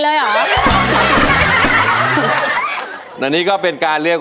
เต้นสักพักนึง